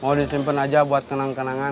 mau disimpan aja buat kenang kenangan